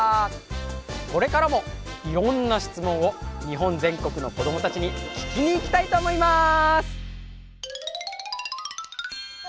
これからもいろんな質問を日本全国の子どもたちに聞きに行きたいと思います！